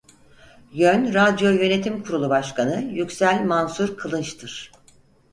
Yön Radyo Yönetim Kurulu Başkanı Yüksel Mansur Kılınç'dır.